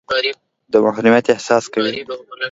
د محرومیت احساس کوئ.